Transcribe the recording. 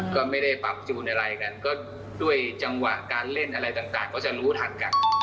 ก็ไม่ได้ปรับจูนอะไรกันก็ด้วยจังหวะการเล่นอะไรต่างก็จะรู้ทันกัน